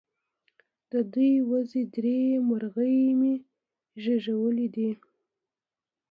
د دوي وزې درې مرغومي زيږولي دي